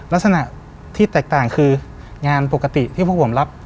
ลักษณะที่แตกต่างคืองานปกติที่พวกผมรับ